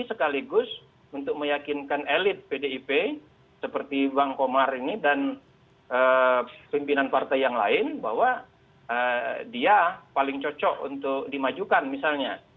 sekaligus untuk meyakinkan elit pdip seperti bang komar ini dan pimpinan partai yang lain bahwa dia paling cocok untuk dimajukan misalnya